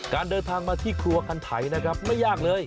เดินทางมาที่ครัวคันไถนะครับไม่ยากเลย